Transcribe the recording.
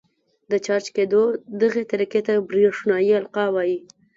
د چارج کېدو دغې طریقې ته برېښنايي القاء وايي.